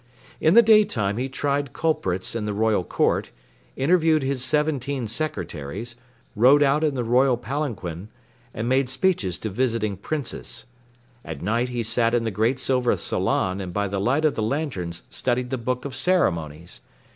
In the daytime he tried culprits in the royal court, interviewed his seventeen secretaries, rode out in the royal palanquin, and made speeches to visiting princes. At night he sat in the great silver salon and by the light of the lanterns studied the Book of Ceremonies.